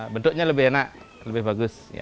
bentuknya lebih enak lebih bagus